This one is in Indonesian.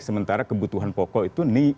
sementara kebutuhan pokok itu